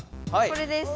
これです。